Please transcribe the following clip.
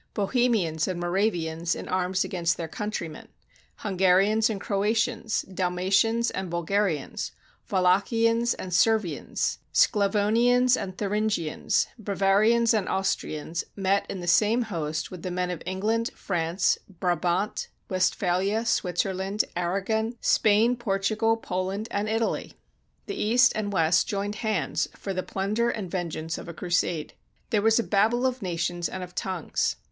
Bohemians and Mora vians in arms against their countr3anen, Hungarians and Croatians, Dalmatians and Bulgarians, Wallachians and Servians, Sclavonians and Thuringians, Bava rians and Austrians, met in the same host with the men of England, France, Brabant, Westphalia, Switzer land, Aragon, Spain, Portugal, Poland, and Italy. The East and West joined hands for the plunder and venge ance of a crusade. There was a Babel of nations and of tongues.